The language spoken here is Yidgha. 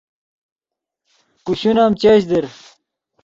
کوشون ام چش در